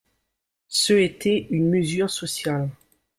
C’eût été une mesure sociale